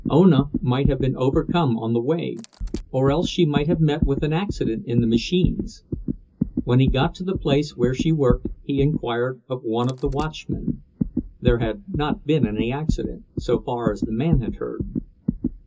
Ona might have been overcome on the way; or else she might have met with an accident in the machines. When he got to the place where she worked he inquired of one of the watchmen—there had not been any accident, so far as the man had heard.